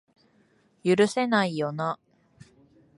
許せないよな